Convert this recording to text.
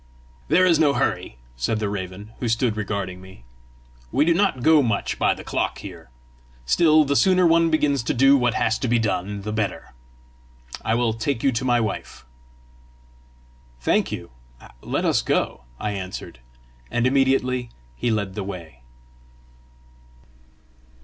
"There is no hurry," said the raven, who stood regarding me; "we do not go much by the clock here. Still, the sooner one begins to do what has to be done, the better! I will take you to my wife." "Thank you. Let us go!" I answered, and immediately he led the way.